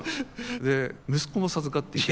で息子も授かっていて。